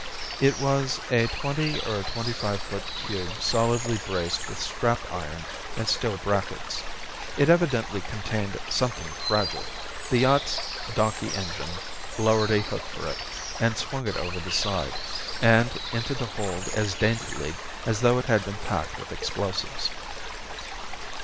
It was a twenty or twenty five foot cube solidly braced with strap iron and steel brackets. It evidently contained something fragile. The yacht's donkey engine lowered a hook for it, and swung it over the side and into the hold as daintily as though it had been packed with explosives.